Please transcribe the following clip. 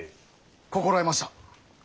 心得ました。